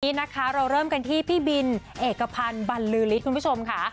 วันนี้นะคะเราเริ่มกันที่พี่บินเอกพันธ์บรรลือฤทธิ์คุณผู้ชมค่ะ